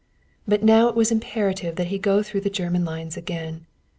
But now it was imperative that he go through the German lines again.